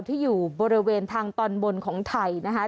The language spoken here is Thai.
ที่อยู่บริเวณทางตอนบนของไทยนะคะ